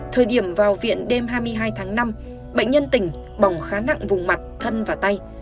thời điểm vào viện đêm hai mươi hai tháng năm bệnh nhân tỉnh bỏng khá nặng vùng mặt thân và tay